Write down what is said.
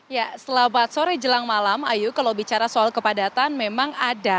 ya setelah empat sore jelang malam ayo kalau bicara soal kepadatan memang ada